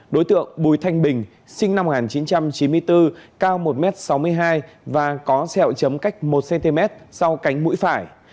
đối tượng bùi thanh bình sinh năm một nghìn chín trăm chín mươi bốn cao một m sáu mươi hai và có sẹo chấm cách một cm sau cánh mũi phải